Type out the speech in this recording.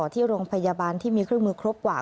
ที่โรงพยาบาลที่มีเครื่องมือครบกว่า